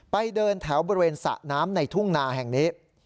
ไปเดินแถวบริเวณสระน้ำในทุ่งนาแห่งนี้